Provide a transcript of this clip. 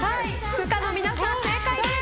不可の皆さん、正解です。